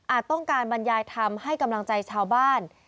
ต้องการบรรยายธรรมให้กำลังใจชาวบ้าน